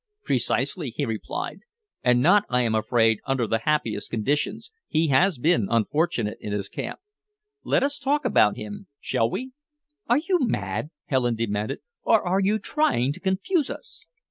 "Precisely," he replied, "and not, I am afraid, under the happiest conditions, he has been unfortunate in his camp. Let us talk about him, shall we?" "Are you mad," Helen demanded, "or are you trying to confuse us?"